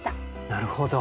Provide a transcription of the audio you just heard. なるほど。